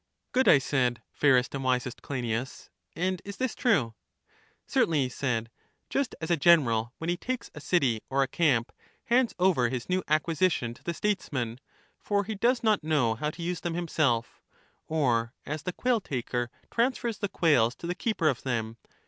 Good, I said, fairest and wisest Cleinias. And is this true? Certainly, he said; just as a general when he takes a city or a camp hands over his new acquisition to the statesman, for he does not know how to use them him self; or as the quail taker transfers the quails to the keeper of them.